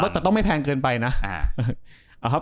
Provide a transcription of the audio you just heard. แต่ต้องไม่แพงเกินไปนะ